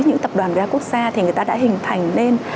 những tập đoàn ga quốc gia thì người ta đã hình thành lên